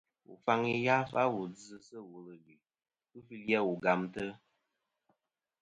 Wu faŋi yaf a wà dzɨ sɨ wul ɨlue lufɨli a wu gamtɨ.